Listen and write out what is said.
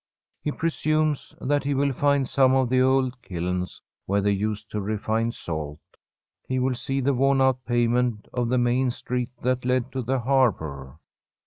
He presumes that he will find some of the old kilns where they used to refine salt; he will see the worn out pavement on the main street that led to From a SfFEDISH HOMESTEAD the harbour.